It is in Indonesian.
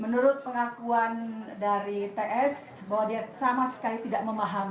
menurut pengakuan dari ts bahwa dia sama sekali tidak memahami